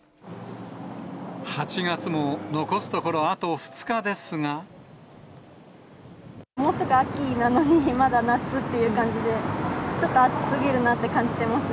８月も残すところ、あと２日もうすぐ秋なのに、まだ夏っていう感じで、ちょっと暑すぎるなと感じています。